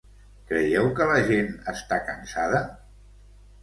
Creieu que la gent està cansada?